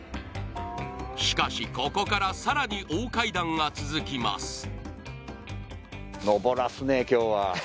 しかしここからさらに大階段が続きます